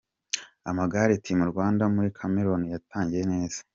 Amagare, Team Rwanda muri Cameroun yatangiye neza.